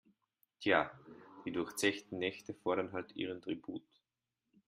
Tja, die durchzechten Nächte fordern halt ihren Tribut.